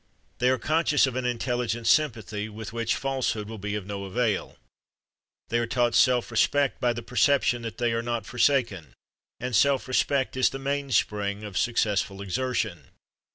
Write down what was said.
They are conscious of an intelligent sympathy with which falsehood will be of no avail. They are taught self respect by the perception that they are not forsaken, and self respect is the main spring of successful exertion.